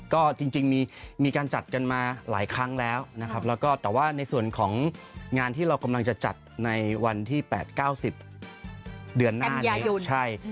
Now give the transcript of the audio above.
ก็จริงมีการจัดกันมาหลายครั้งแล้วแต่ว่าในส่วนของงานที่เรากำลังจะจัดในวันที่๘๙๐เดือนหน้า